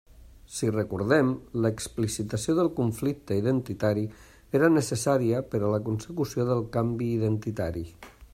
Si recordem, l'explicitació del conflicte identitari era necessària per a la consecució del canvi identitari.